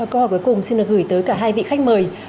câu hỏi cuối cùng xin được gửi tới cả hai vị khách mời